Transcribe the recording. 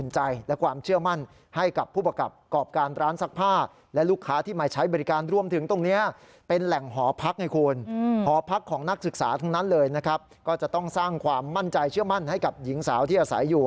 ใจเชื่อมั่นให้กับหญิงสาวที่อาศัยอยู่